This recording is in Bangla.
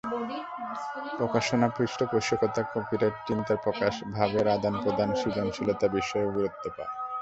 প্রকাশনা, পৃষ্ঠপোষকতা, কপিরাইট, চিন্তার প্রকাশ, ভাবের আদান-প্রদান, সৃজনশীলতা বিষয়েও গুরুত্ব পায়।